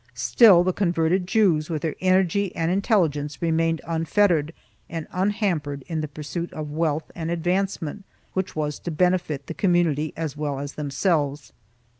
4 Still the converted Jews, with their energy and intelligence remained, unfettered and unhampered in the pursuit of wealth and advancement, which was to benefit the community as well as themselves.